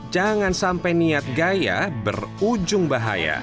jangan sampai niat gaya berujung bahaya